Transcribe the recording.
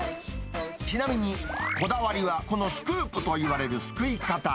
ちなみに、こだわりはこのスクープといわれるすくい方。